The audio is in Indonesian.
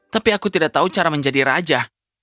tapi aku tidak tahu cara menjadi raja